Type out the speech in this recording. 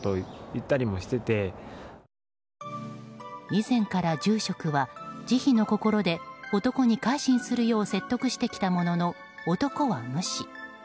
以前から住職は慈悲の心で、男に改心するよう説得してきたものの男は無視。